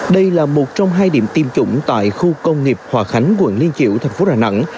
đây là một trong hai điểm tiêm chủng tại khu công nghiệp hòa khánh quận liên triểu thành phố đà nẵng